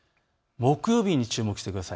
木曜日に注目してください。